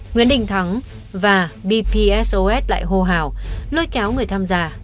nguyễn đình thắng và bpsos lại hô hào lôi kéo người tham gia